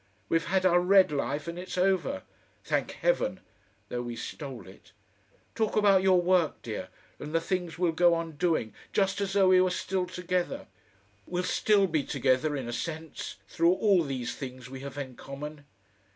We've had our red life, and it's over. Thank Heaven! though we stole it! Talk about your work, dear, and the things we'll go on doing just as though we were still together. We'll still be together in a sense through all these things we have in common."